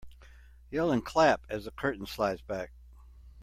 Yell and clap as the curtain slides back.